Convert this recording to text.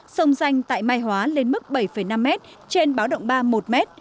sông danh tại mai hóa lên mức bảy năm m trên báo động ba một m